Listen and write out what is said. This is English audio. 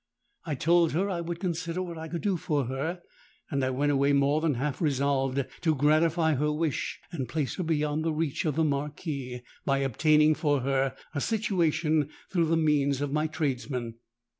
I told her I would consider what I could do for her; and I went away more than half resolved to gratify her wish and place her beyond the reach of the Marquis by obtaining for her a situation through the means of my tradesmen.